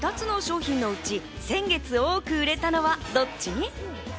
この２つの商品のうち、先月多く売れたのはどっち？